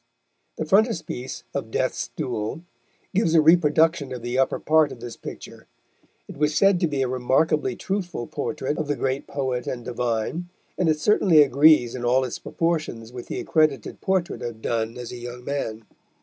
The frontispiece of Death's Duel gives a reproduction of the upper part of this picture. It was said to be a remarkably truthful portrait of the great poet and divine, and it certainly agrees in all its proportions with the accredited portrait of Donne as a young man.